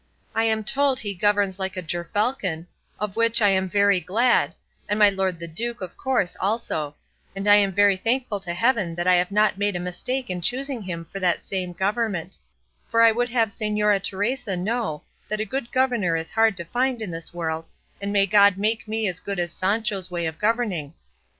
I am told he governs like a gerfalcon, of which I am very glad, and my lord the duke, of course, also; and I am very thankful to heaven that I have not made a mistake in choosing him for that same government; for I would have Señora Teresa know that a good governor is hard to find in this world and may God make me as good as Sancho's way of governing.